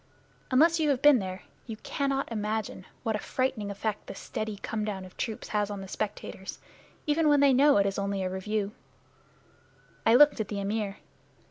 Unless you have been there you cannot imagine what a frightening effect this steady come down of troops has on the spectators, even when they know it is only a review. I looked at the Amir.